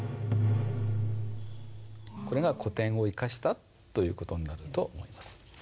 これが古典を生かしたという事になると思います。